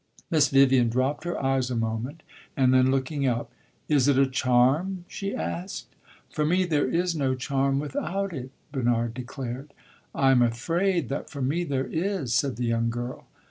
Miss Vivian dropped her eyes a moment, and then, looking up, "Is it a charm?" she asked. "For me there is no charm without it," Bernard declared. "I am afraid that for me there is," said the young girl.